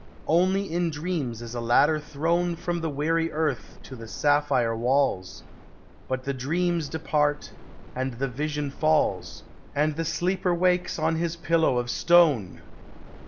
Only in dreams is a ladder thrown From the weary earth to the sapphire walls; But the dreams depart, and the vision falls, And the sleeper wakes on his pillow of stone.